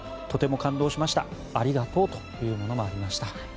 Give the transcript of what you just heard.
とても感動しました、ありがとうというものもありました。